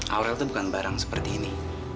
aurel itu bukan barang seperti ini